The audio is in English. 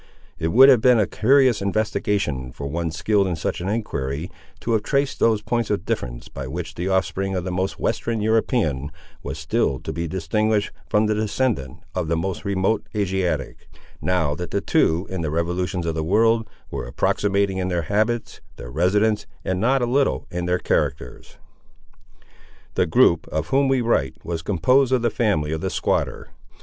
It would have been a curious investigation, for one skilled in such an enquiry, to have traced those points of difference, by which the offspring of the most western European was still to be distinguished from the descendant of the most remote Asiatic, now that the two, in the revolutions of the world, were approximating in their habits, their residence, and not a little in their characters. The group, of whom we write, was composed of the family of the squatter.